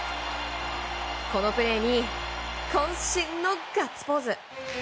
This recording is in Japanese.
このプレーに渾身のガッツポーズ。